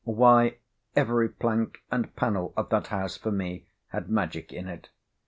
Why, every plank and pannel of that house for me had magic in it.